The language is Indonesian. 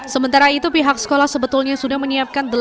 sementara itu pihak sekolah sebetulnya sudah mencari penerimaan peserta